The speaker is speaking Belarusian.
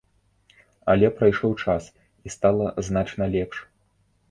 Але прайшоў час, і стала значна лепш.